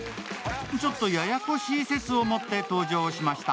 ちょっとややこしい説を持って登場しました。